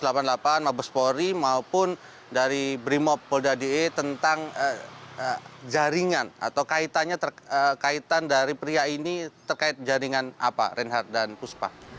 kombes polisi dadang raharja maupun dari brimopolda dy tentang jaringan atau kaitannya terkaitan dari pria ini terkait jaringan apa reinhardt dan kuspa